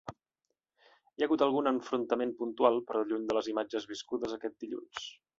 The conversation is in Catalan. Hi ha hagut algun enfrontament puntual, però lluny de les imatges viscudes aquest dilluns.